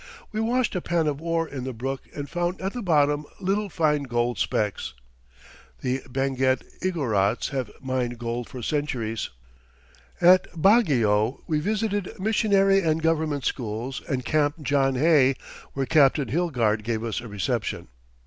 We washed a pan of ore in the brook and found at the bottom little fine gold specks. The Benguet Igorots have mined gold for centuries. [Illustration: IGOROT SCHOOL GIRL WEAVING.] At Baguio we visited missionary and government schools and Camp John Hay, where Captain Hilgard gave us a reception.